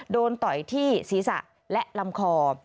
ต่อยที่ศีรษะและลำคอ